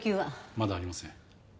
まだありません。